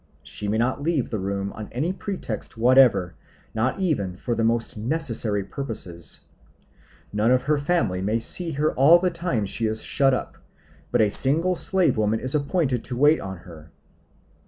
She may not leave the room on any pretext whatever, not even for the most necessary purposes. None of her family may see her all the time she is shut up, but a single slave woman is appointed to wait on her.